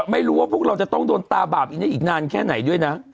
ไม่รู้ว่าพวกเราจะต้องโดนตาบาปอีกได้อีกนานแค่ไหนด้วยนะ